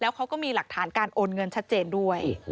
เขาก็มีหลักฐานการโอนเงินชัดเจนด้วย